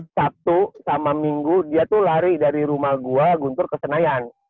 sabtu sama minggu dia tuh lari dari rumah gue guntur ke senayan